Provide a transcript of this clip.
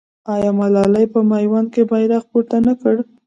آیا ملالۍ په میوند کې بیرغ پورته نه کړ؟